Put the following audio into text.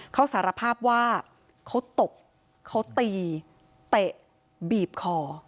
เขาสารภาพว่าเขาตบเขาตีเตะบีบคอ